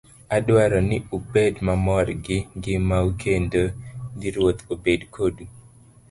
Adwaro ni ubed mamor gi ngimau, kendo ni Ruoth obed kodu.